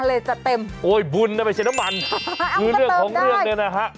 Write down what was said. เติมแบบเต็มถังเลยโอ้ยบุญไม่ใช่น้ำมันคือเรื่องของเรื่องเลยนะฮะเอามาเติมได้